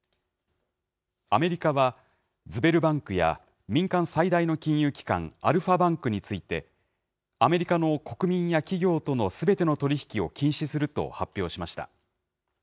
アメリカは、ズベルバンクや民間最大の金融機関、アルファバンクについて、アメリカの国民や企業とのすべての取り引きを禁止すると発表しました。